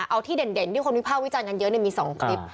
เอาที่เด่นที่คงมีภาพวิจารณ์กันเยอะแต่ยังมีสองคลิป